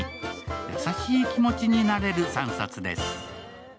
優しい気持ちになれる３冊です。